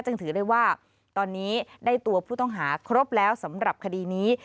ถือได้ว่าตอนนี้ได้ตัวผู้ต้องหาครบแล้วสำหรับคดีนี้